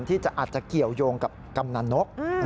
ที่อาจจะเก่ายงกับกำนันนก